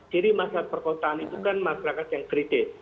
ciri masyarakat perkotaan itu kan masyarakat yang kritis